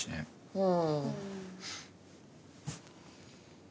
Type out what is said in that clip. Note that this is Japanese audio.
うん。